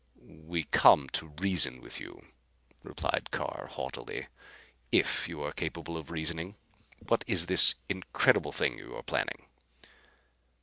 "We come to reason with you," replied Carr haughtily, "if you are capable of reasoning. What is this incredible thing you are planning?"